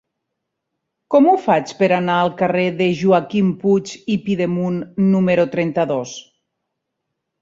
Com ho faig per anar al carrer de Joaquim Puig i Pidemunt número trenta-dos?